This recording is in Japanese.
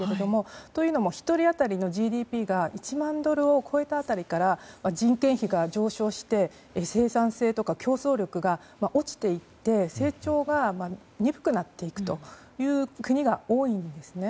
というのも１人当たりのＧＤＰが１万ドルを超えた辺りから人件費が上昇して生産性とか競争力が落ちていって成長が鈍くなっていくという国が多いんですね。